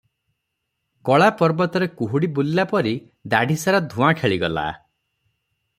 କଳା ପର୍ବତରେ କୁହୁଡ଼ି ବୁଲିଲା ପରି ଦାଢ଼ିସାରା ଧୁଆଁ ଖେଳିଗଲା ।